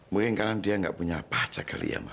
mungkin karena dia gak punya apa apa cak galia mak